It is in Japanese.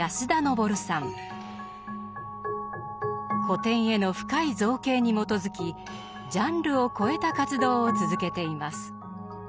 古典への深い造詣に基づきジャンルを超えた活動を続けています。